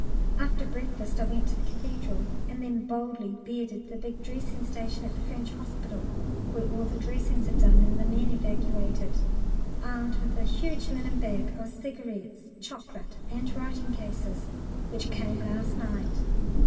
After breakfast I went to the Cathedral, and then boldly bearded the big dressing station at the French Hospital, where all the dressings are done and the men evacuated, armed with a huge linen bag of cigarettes, chocolate, and writing cases which came last night.